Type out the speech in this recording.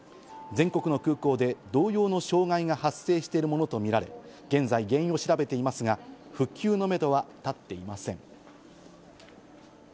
全国の空港で同様の障害が発生しているものとみられ、現在、原因を調べていますが、復旧のめどは立っていません。